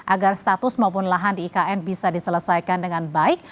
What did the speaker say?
agar status maupun lahan di ikn bisa diselesaikan dengan baik